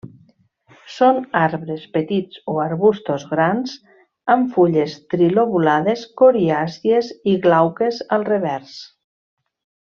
Són arbres petits o arbustos grans, amb fulles trilobulades, coriàcies i glauques al revers.